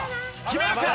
決めるか？